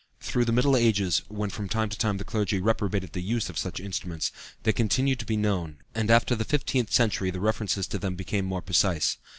Through the Middle Ages (when from time to time the clergy reprobated the use of such instruments) they continued to be known, and after the fifteenth century the references to them became more precise.